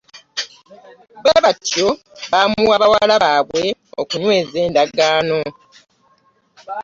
Bwebatyo bamuwa bawala babwe okunyweeza endangaano .